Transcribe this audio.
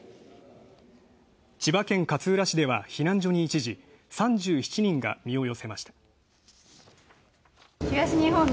千葉県勝浦市では、避難所に一時３７人が身を寄せました。